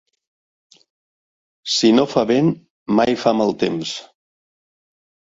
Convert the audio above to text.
Si no fa vent, mai fa mal temps.